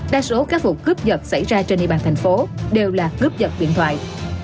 đa số các vụ cướp vật xảy ra trên địa bàn thành phố đều là cướp vật điện thoại